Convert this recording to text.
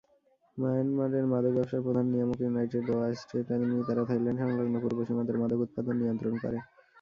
মায়ানমারের মাদক ব্যবসার প্রধান নিয়ামক ইউনাইটেড ওয়া স্টেট আর্মি, তারা থাইল্যান্ড সংলগ্ন পূর্ব সীমান্তের মাদক উৎপাদন নিয়ন্ত্রণ করে।